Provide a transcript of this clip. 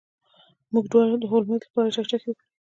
موږ دواړو د هولمز لپاره چکچکې وکړې.